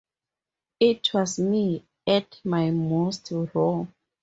It was me at my most raw.